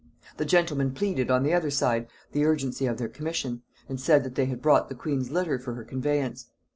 The gentlemen pleaded, on the other side, the urgency of their commission, and said that they had brought the queen's litter for her conveyance.